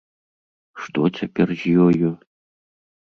Што цяпер з ёю?